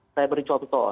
saya beri contoh